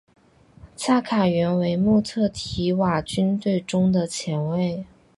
恰卡原为穆特提瓦军队中的前卫。